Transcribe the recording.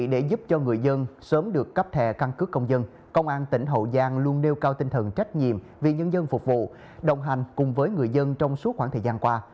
để giúp cho người dân sớm được cấp thẻ căn cước công dân công an tỉnh hậu giang luôn nêu cao tinh thần trách nhiệm vì nhân dân phục vụ đồng hành cùng với người dân trong suốt khoảng thời gian qua